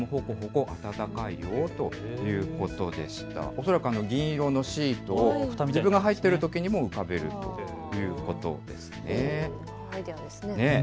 恐らく銀色のシートを自分が入っているときにも浮かべるということですね。